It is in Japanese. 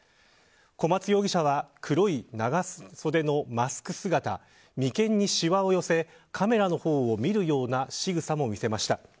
小松容疑者は、黒い長袖のマスク姿眉間にしわを寄せカメラの方を見るようなしぐさも見せました。